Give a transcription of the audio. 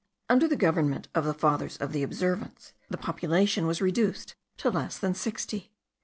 Under the government of the Fathers of the Observance the population was reduced to less than sixty.